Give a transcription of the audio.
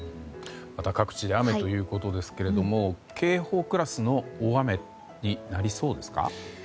また各地で雨ということですが警報クラスの大雨になりそうですか？